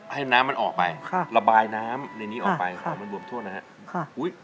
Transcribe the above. ให้น้ำมันออกไประบายน้ำในนี้ออกไปของมันบวมโทษนะครับ